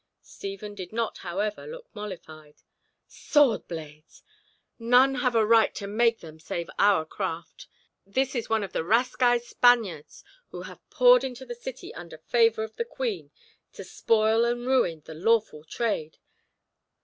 Stephen did not however look mollified. "Swordblades! None have a right to make them save our craft. This is one of the rascaille Spaniards who have poured into the city under favour of the queen to spoil and ruin the lawful trade.